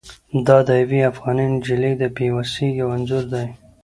دا د یوې افغانې نجلۍ د بې وسۍ یو انځور دی.